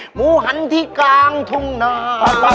หมูหันที่กลางทุ่งนา